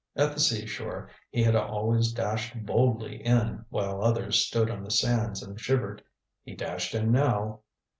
At the seashore he had always dashed boldly in while others stood on the sands and shivered. He dashed in now.